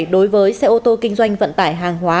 đối với xe ô tô kinh doanh vận tải hàng hóa